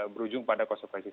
berujung pada konservasi